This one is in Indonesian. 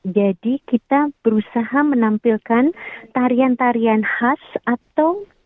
jadi kita berusaha menampilkan tarian tarian khas atau muslim